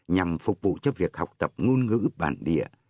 nhằm phục vụ cho việc học tập ngôn ngữ bản địa